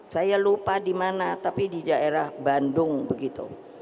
saya lupa di mana tapi di daerah bandung begitu